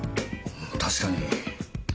確かに。